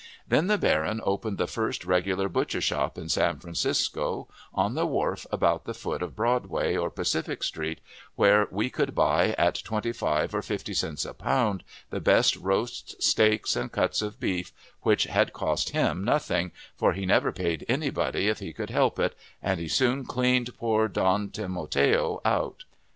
Then the baron opened the first regular butcher shop in San Francisco, on the wharf about the foot of Broadway or Pacific Street, where we could buy at twenty five or fifty cents a pound the best roasts, steaks, and cuts of beef, which had cost him nothing, for he never paid anybody if he could help it, and he soon cleaned poor Don Timoteo out.